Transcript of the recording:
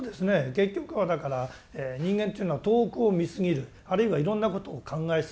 結局はだから人間というのは遠くを見すぎるあるいはいろんなことを考えすぎる。